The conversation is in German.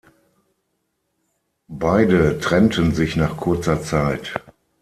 Beide trennten sich nach kurzer Zeit.